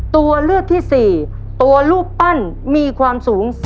ตัวเลือดที่๔ตัวรูปปั้นมีความสูง๒๒เมตรครับ